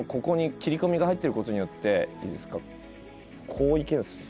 こういけるんですよ